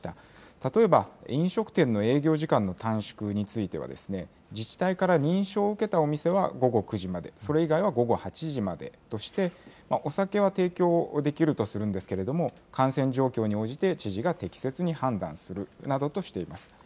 例えば飲食店の営業時間の短縮については、自治体から認証を受けたお店は午後９時まで、それ以外は午後８時までとして、お酒は提供できるとするんですけれども、感染状況に応じて知事が適切に判断するなどとしています。